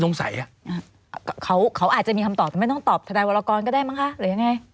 มาทำตัวอีศบัตรนี้สั่งให้ลูกน้องท่าน